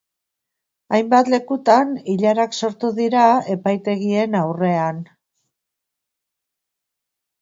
Hainbat lekutan, ilarak sortu dira epaitegien aurrean.